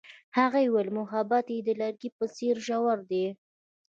هغې وویل محبت یې د لرګی په څېر ژور دی.